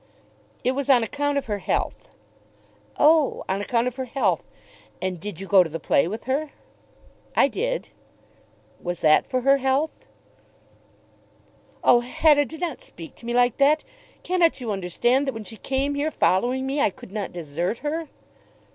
"It was on account of her health." "Oh; on account of her health. And did you go to the play with her?" "I did." "Was that for her health?" "Oh, Hetta, do not speak to me like that! Cannot you understand that when she came here, following me, I could not desert her?"